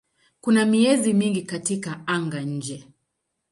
Kuna miezi mingi katika anga-nje.